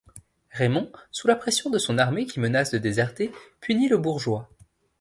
Raimond, sous la pression de son armée qui menace de déserter, punit le bourgeois.